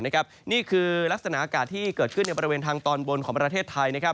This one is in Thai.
นี่คือลักษณะอากาศที่เกิดขึ้นในบริเวณทางตอนบนของประเทศไทย